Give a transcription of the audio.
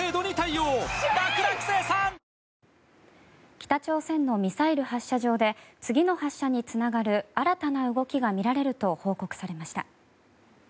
北朝鮮のミサイル発射場で次の発射につながる新たな動きが見られると報告されました。